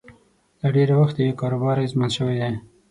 له ډېره وخته یې کاروبار اغېزمن شوی دی